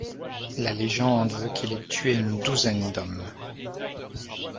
La légende veut qu'il ait tué une douzaine d'hommes.